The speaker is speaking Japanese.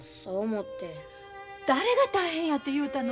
誰が大変やて言うたの？